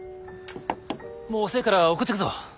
もう遅えから送ってくぞ。